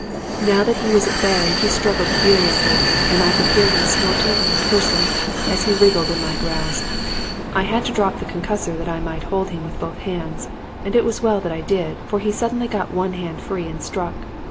Now that he was at bay, he struggled furiously, and I could hear him snorting and cursing as he wriggled in my grasp. I had to drop the concussor that I might hold him with both hands, and it was well that I did, for he suddenly got one hand free and struck.